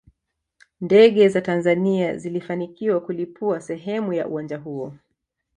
Ndege za Tanzania zilifanikiwa kulipua sehemu ya uwanja huo